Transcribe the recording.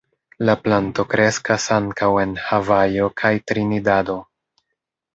La planto kreskas ankaŭ en Havajo kaj Trinidado.